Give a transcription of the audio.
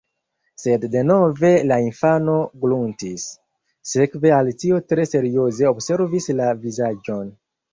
Sed denove la infano gruntis. Sekve Alicio tre serioze observis la vizaĝon.